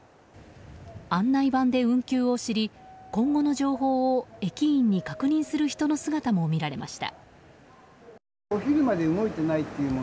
案内板で運休を知り今後の情報を駅員に確認する人の姿も見られました。